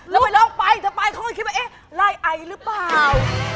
แล้วไปร้องไปจะไปเขาก็คิดว่าเอ๊ะไล่ไอหรือเปล่า